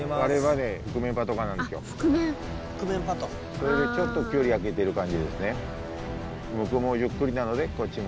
それでちょっと距離開けてる感じですね。